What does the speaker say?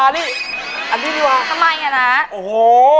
อันนี้ดีกว่ะทำไมนะนะโอ้โห